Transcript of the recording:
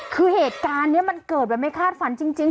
คือเหตุการณ์นี้มันเกิดแบบไม่คาดฝันจริง